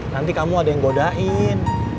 nanti kamu ada yang godain